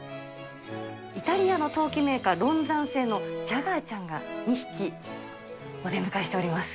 イタリアの陶器メーカー、ロンザン製のジャガーちゃんが２匹、お出迎えしております。